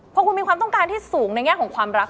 พอคุณมีความต้องการที่สูงในแง่ของความรัก